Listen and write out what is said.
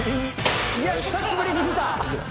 久しぶりに見た！